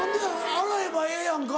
洗えばええやんか。